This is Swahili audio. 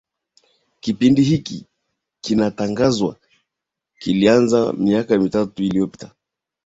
kipindi hiki kinatazamwa kilianza miaka laki tatu iliyopita